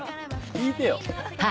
聞いてよ！